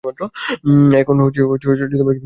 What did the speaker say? এখন কী করতে হবে?